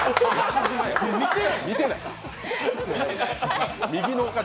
見てない。